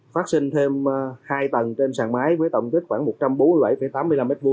phát sinh thêm hai tầng trên sàn máy với tổng tích khoảng một trăm bốn mươi bảy tám mươi năm m hai